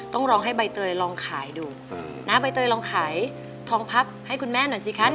ต้องลองให้ใบเตยลองขายดูน้าใบเตยลองขายทองพับให้คุณแม่หน่อยสิคะ